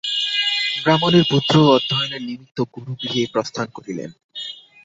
ব্রাহ্মণের পুত্রও অধ্যয়নের নিমিত্ত গুরুগৃহে প্রস্থান করিলেন।